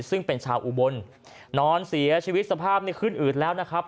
ซึ่งเป็นชาวอุบลนอนเสียชีวิตสภาพนี่ขึ้นอืดแล้วนะครับ